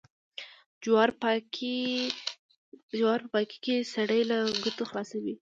جوار پاکي کې سړی له گوتو خلاصوي.